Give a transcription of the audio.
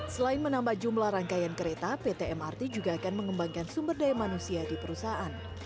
selain menambah jumlah rangkaian kereta pt mrt juga akan mengembangkan sumber daya manusia di perusahaan